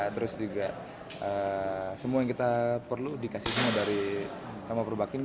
terus juga semua yang kita perlu dikasihkan dari perbakin